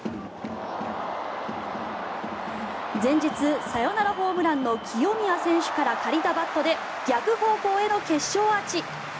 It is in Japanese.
前日、サヨナラホームランの清宮選手から借りたバットで逆方向への決勝アーチ。